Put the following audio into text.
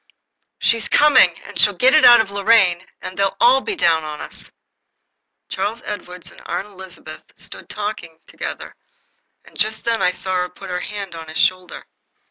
"She's coming, and she'll get it out of Lorraine, and they'll all be down on us." Charles Edward and Aunt Elizabeth stood talking together, and just then I saw her put her hand on his shoulder.